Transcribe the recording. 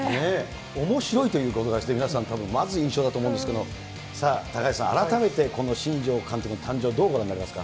おもしろいということが皆さん、まず印象だと思うんですけれども、さあ、高橋さん、改めてこの新庄監督の誕生、どうご覧になりますか。